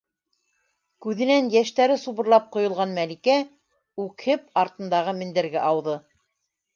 Күҙенән йәштәре субырлап ҡойолған Мәликә үкһеп артындағы мендәргә ауҙы: